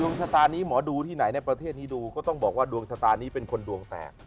ชะตานี้หมอดูที่ไหนในประเทศนี้ดูก็ต้องบอกว่าดวงชะตานี้เป็นคนดวงแตก